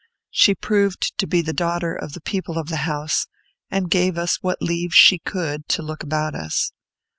She proved to be the daughter of the people of the house, and gave us what leave she could to look about us.